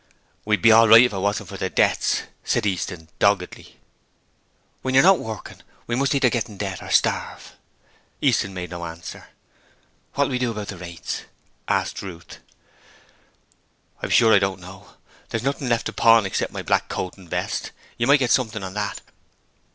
'We'd be all right if it wasn't for the debts,' said Easton, doggedly. 'When you're not working, we must either get into debt or starve.' Easton made no answer. 'What'll we do about the rates?' asked Ruth. 'I'm sure I don't know: there's nothing left to pawn except my black coat and vest. You might get something on that.'